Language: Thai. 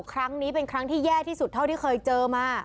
ครั้งนี้เป็นครั้งที่แย่ที่สุดเท่าที่เคยเจอมา